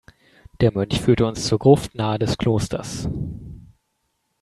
Der Mönch führte uns zur Gruft nahe des Klosters.